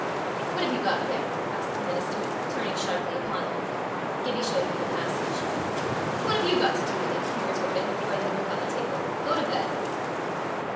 "What have you got there?" asked the minister, turning sharply upon him. Gibbie showed him the passage. "What have you got to do with it?" he retorted, throwing the book on the table. "Go to bed."